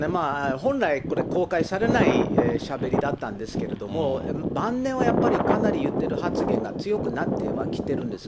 本来、これ、公開されないしゃべりだったんですけど、晩年はやっぱりかなり言ってる発言が強くなってはきてるんです。